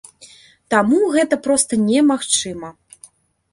Таму гэта проста немагчыма.